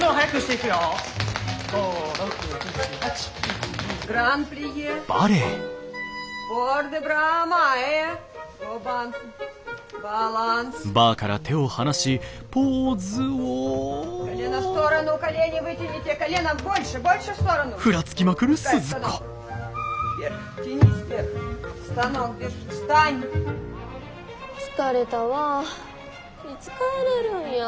いつ帰れるんや。